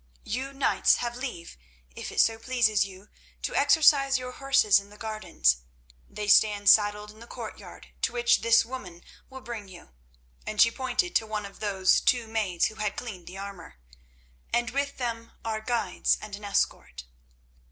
You knights have leave, if it so pleases you, to exercise your horses in the gardens. They stand saddled in the courtyard, to which this woman will bring you," and she pointed to one of those two maids who had cleaned the armour, "and with them are guides and an escort."